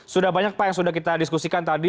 sudah banyak pak yang sudah kita diskusikan tadi